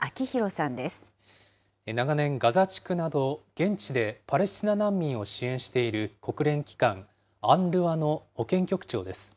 長年、ガザ地区など、現地でパレスチナ難民を支援している国連機関、ＵＮＲＷＡの保健局長です。